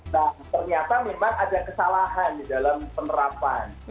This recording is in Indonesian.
nah ternyata memang ada kesalahan di dalam penerapan